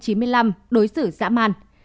chị nguyễn thị hát là mẹ ruột